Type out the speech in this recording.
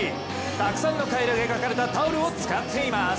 たくさんのカエルが描かれたタオルを使っています。